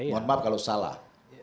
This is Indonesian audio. mohon maaf kalau salah